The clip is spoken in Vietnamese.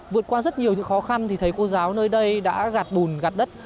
vượt qua rất nhiều những khó khăn thì thấy cô giáo nơi đây đã gạt bùn gạt đất